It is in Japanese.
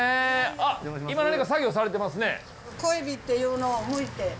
あっ今何か作業されてますね。